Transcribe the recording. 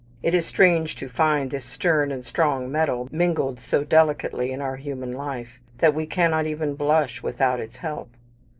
Is it not strange to find this stern and strong metal mingled so delicately in our human life, that we cannot even blush without its help?